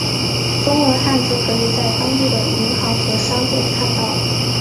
中文汉字可以在当地的银行和商店看到。